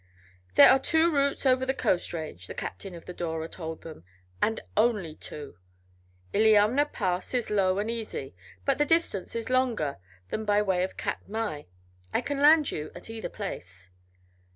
"There are two routes over the coast range," the captain of the Dora told them, "and only two. Illiamna Pass is low and easy, but the distance is longer than by way of Katmai. I can land you at either place."